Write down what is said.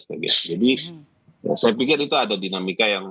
jadi saya pikir itu ada dinamika yang